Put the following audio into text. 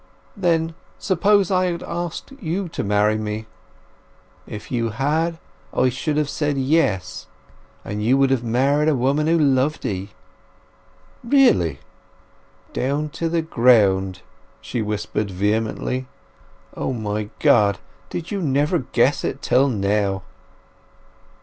"Then—suppose I had asked you to marry me?" "If you had I should have said 'Yes', and you would have married a woman who loved 'ee!" "Really!" "Down to the ground!" she whispered vehemently. "O my God! did you never guess it till now!"